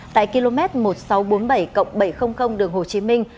tại km một nghìn sáu trăm bốn mươi bảy bảy trăm linh đường hồ chí minh